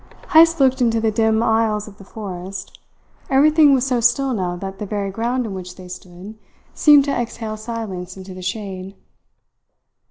Heyst looked into the dim aisles of the forest. Everything was so still now that the very ground on which they stood seemed to exhale silence into the shade.